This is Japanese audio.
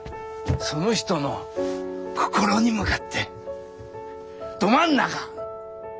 その人の心に向かってど真ん中ストレート！